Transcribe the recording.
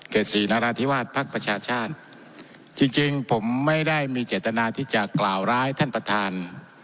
สี่นราธิวาสภักดิ์ประชาชาติจริงจริงผมไม่ได้มีเจตนาที่จะกล่าวร้ายท่านประธาน